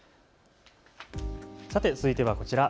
さて続いてはこちら。